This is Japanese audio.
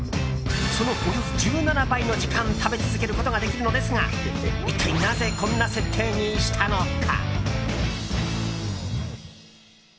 そのおよそ１７倍の時間食べ続けることができるのですが一体、なぜこんな設定にしたのか。